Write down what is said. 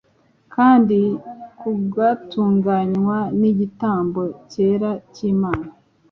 kandi kugatunganywa n’igitambo cyera cyimana